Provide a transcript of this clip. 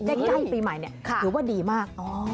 ใกล้ปีใหม่ถือว่าดีมาก